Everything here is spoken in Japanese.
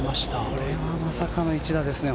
これはまさかの一打ですね